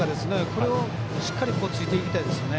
これをしっかりついていきたいですね。